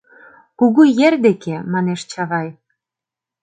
— Кугу ер деке! — манеш Чавай.